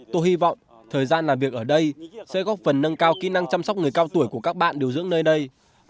tôi hy vọng thời gian làm việc ở đây sẽ góp phần nâng cao kỹ năng chăm sóc người cao tuổi của các bạn điều dưỡng nơi đây